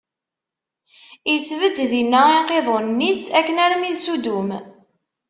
Isbedd dinna iqiḍunen-is, akken armi d Sudum.